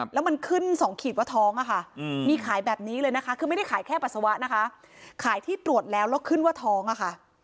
แล้วมันขึ้น๒ขีดว่าท้องอะค่ะมีขายแบบนี้เลยนะคะคือไม่ได้ขายแค่ปัสสาวะนะคะขายที่ตรวจแล้วแล้วขึ้นว่าท้องอะค่ะ